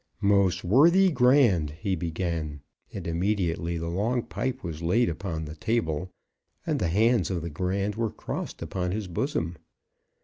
"Most worthy Grand," he began; and immediately the long pipe was laid upon the table and the hands of the Grand were crossed upon his bosom.